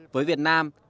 với việt nam